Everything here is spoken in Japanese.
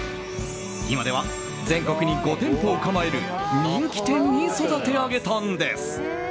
今では全国に５店舗を構える人気店に育て上げたんです。